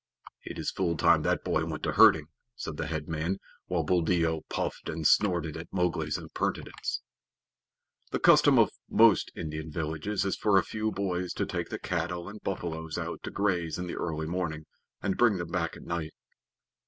"It is full time that boy went to herding," said the head man, while Buldeo puffed and snorted at Mowgli's impertinence. The custom of most Indian villages is for a few boys to take the cattle and buffaloes out to graze in the early morning, and bring them back at night.